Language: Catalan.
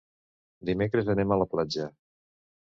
Dimecres anem a la platja.